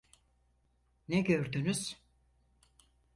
Ne gördünüz?